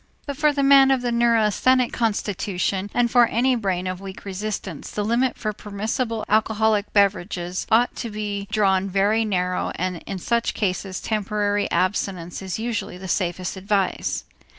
But for the man of neurasthenic constitution and for any brain of weak resistance, the limit for permissible alcoholic beverages ought to be drawn very narrow and in such cases temporary abstinence is usually the safest advice.